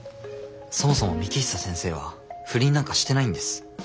そもそも幹久先生は不倫なんかしてないんです。